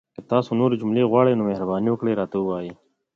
که تاسو نورې جملې غواړئ، نو مهرباني وکړئ راته ووایئ!